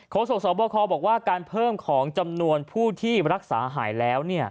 โศกสบคบอกว่าการเพิ่มของจำนวนผู้ที่รักษาหายแล้ว